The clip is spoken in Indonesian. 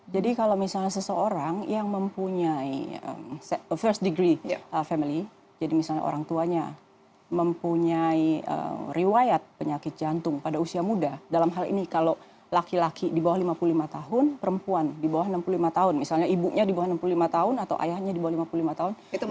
jadi kalau misalnya seseorang yang mempunyai family history jadi misalnya orang tuanya mempunyai riwayat penyakit jantung pada usia muda dalam hal ini kalau laki laki di bawah lima puluh lima tahun perempuan di bawah enam puluh lima tahun misalnya ibunya di bawah enam puluh lima tahun atau ayahnya di bawah lima puluh lima tahun dia punya family history